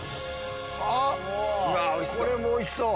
あっこれもおいしそう！